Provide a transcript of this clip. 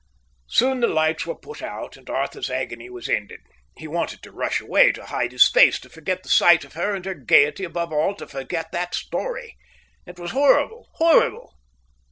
Soon the lights were put out, and Arthur's agony was ended. He wanted to rush away, to hide his face, to forget the sight of her and her gaiety, above all to forget that story. It was horrible, horrible.